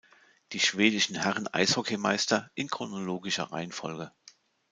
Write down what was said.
Die schwedischen Herren-Eishockeymeister in chronologischer Reihenfolge.